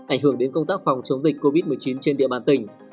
ảnh hưởng đến công tác phòng chống dịch covid một mươi chín trên địa bàn tỉnh